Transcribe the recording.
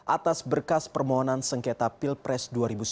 atas berkas permohonan sengketa pilpres dua ribu sembilan belas